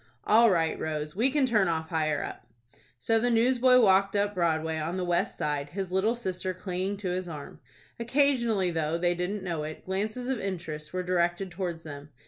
"All right, Rose. We can turn off higher up." So the newsboy walked up Broadway, on the west side, his little sister clinging to his arm. Occasionally, though they didn't know it, glances of interest were directed towards them.